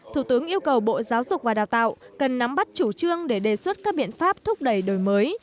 thủ tướng yêu cầu bộ giáo dục và đào tạo cần nắm bắt chủ trương để đề xuất các biện pháp thúc đẩy đổi mới